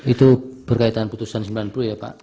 itu berkaitan putusan sembilan puluh ya pak